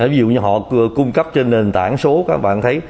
ví dụ như họ vừa cung cấp trên nền tảng số các bạn thấy